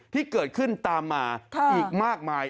ที่เกิดขึ้นตามมาอีกมากมาย